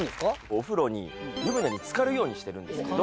お風呂に湯船に浸かるようにしてるんですけど。